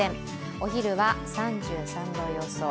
お昼は３３度予想。